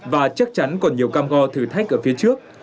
và chắc chắn còn nhiều cam go thử thách ở phía trước